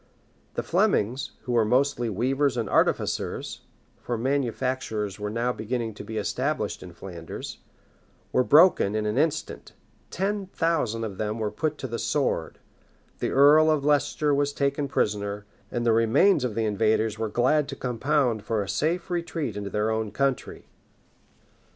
The Flemings, who were mostly weavers and artificers, (for manufactures were now beginning to be established in Flanders,) were broken in an instant, ten thousand of them were put to the sword, the earl of Leicester was taken prisoner, and the remains of the invaders were glad to compound for a safe retreat into their own country.